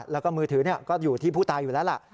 แล้วก็มือถือก็อยู่ที่ผู้ตายอยู่แล้วล่ะ